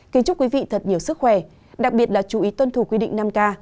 kính chúc quý vị thật nhiều sức khỏe đặc biệt là chú ý tuân thủ quy định năm k